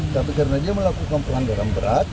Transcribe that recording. tapi karena dia melakukan pelanggaran berat